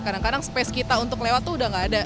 kadang kadang ruang kita untuk lewat itu udah enggak ada gitu